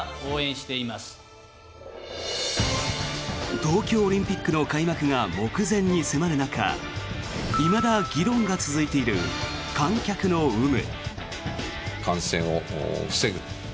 東京オリンピックの開幕が目前に迫る中いまだ議論が続いている観客の有無。